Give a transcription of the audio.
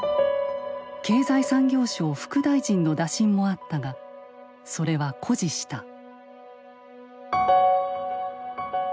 経済産業省副大臣の打診もあったがそれは固辞した。